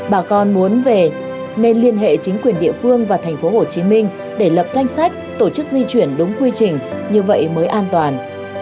bà con muốn về nên liên hệ chính quyền địa phương và tp hcm để lập danh sách tổ chức di chuyển đúng quy trình như vậy mới an toàn